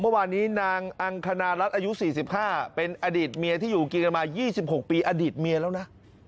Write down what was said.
เมื่อวานนี้นางอังคณรัฐอายุ๔๕เป็นอดีตเมียที่อยู่กินกันมา๒๖ปีอดีตเมียแล้วนะ